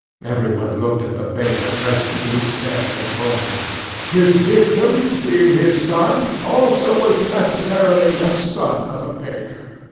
(Every one looked at the baker present, who stared at Bolton.) 'His victim, being his son, also was necessarily the son of a baker.